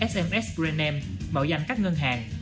sms brand name bảo danh các ngân hàng